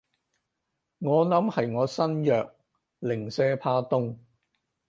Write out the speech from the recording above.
我諗係我身弱，零舍怕凍